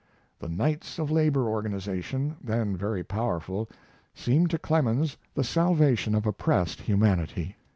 The Knights of Labor organization, then very powerful, seemed to Clemens the salvation of oppressed humanity.